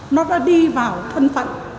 nó đã đi vào thân phận